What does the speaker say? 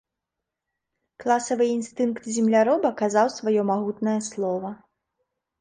Класавы інстынкт земляроба казаў сваё магутнае слова.